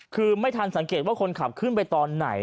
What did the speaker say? คือไม่ทันสังเกตว่าคนขับขึ้นไปตอนไหน